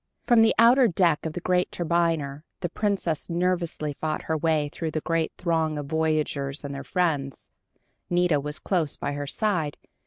Upon the outer deck of the great turbiner, the Princess nervously fought her way through the great throng of voyagers and their friends. Nita was close by her side.